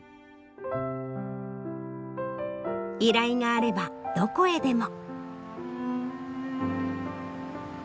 依頼があればどこへでも。